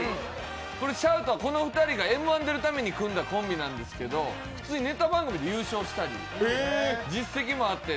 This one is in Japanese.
これシャウトはこの２人が「Ｍ−１」出るために組んだコンビなんですけど普通にネタ番組でも優勝したり実績もあって。